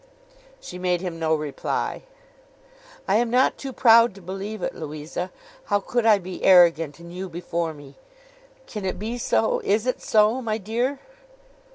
She made him no reply. 'I am not too proud to believe it, Louisa. How could I be arrogant, and you before me! Can it be so? Is it so, my dear?